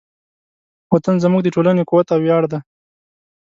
وطن زموږ د ټولنې قوت او ویاړ دی.